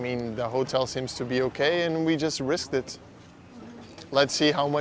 mari lihat berapa banyaknya terbuka berapa banyaknya ada